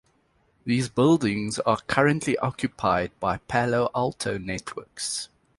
These buildings are currently occupied by Palo Alto Networks.